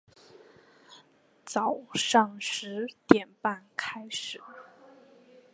早上十点半开始